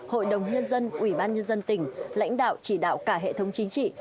hội đồng nhân dân ủy ban nhân dân tỉnh lãnh đạo chỉ đạo cả hệ thống chính trị